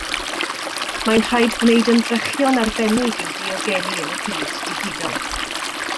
Mae'n rhaid gwneud ymdrechion arbennig i'w diogelu yn y byd digidol.